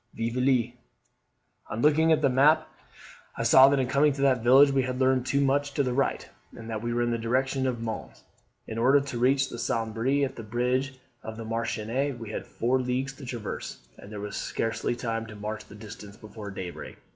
'Vieville.' "On looking at the map, I saw that in coming to that village we had leaned too much to the right, and that we were in the direction of Mons. In order to reach the Sambre at the bridge of Marchiennes, we had four leagues to traverse; and there was scarcely time to march the distance before daybreak.